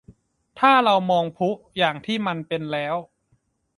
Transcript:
ถ้าเรามองพลุอย่างที่มันเป็นแล้ว